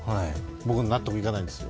僕、納得いかないんですよ。